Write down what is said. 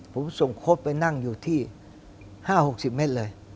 ผมส่งครบไปนั่งอยู่ที่๕๖๐เมตรเลย